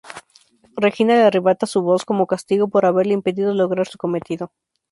Regina le arrebata su voz como castigo por haberle impedido lograr su cometido.